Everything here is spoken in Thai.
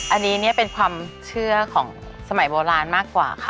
อันนี้เนี่ยเป็นความเชื่อของสมัยโบราณมากกว่าค่ะ